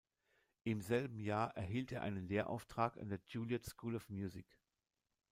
Im selben Jahr erhielt er einen Lehrauftrag an der Juilliard School of Music.